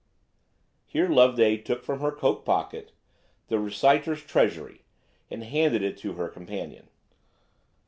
Here Loveday took from her cloak pocket "The Reciter's Treasury," and handed it to her companion.